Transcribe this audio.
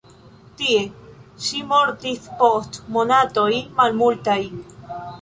Tie ŝi mortis post monatoj malmultaj.